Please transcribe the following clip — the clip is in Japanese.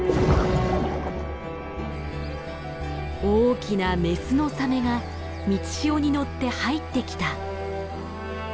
大きなメスのサメが満ち潮に乗って入ってきた。